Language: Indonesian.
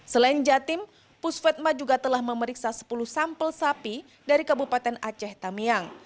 selain jatim pusvetma juga telah memeriksa sepuluh sampel sapi dari kabupaten aceh tamiang